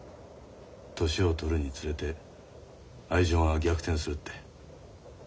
年を取るにつれて愛情が逆転するって。